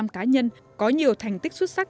một mươi năm cá nhân có nhiều thành tích xuất sắc